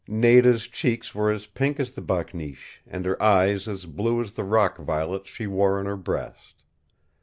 Nada's cheeks were as pink as the bakneesh, and her eyes as blue as the rock violets she wore on her breast.